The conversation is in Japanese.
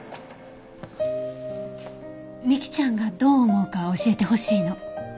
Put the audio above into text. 美貴ちゃんがどう思うか教えてほしいの。